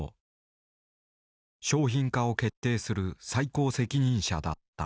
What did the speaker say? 商品化を決定する最高責任者だった。